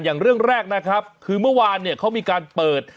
อย่างเรื่องแรกนะครับคือเมื่อวานเนี่ยเขามีการเปิด